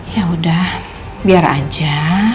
ya udah biar aja